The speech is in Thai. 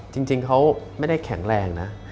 จริงเขาไม่ได้แข็งแรงนะ